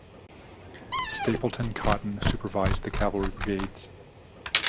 Stapleton Cotton supervised the cavalry brigades.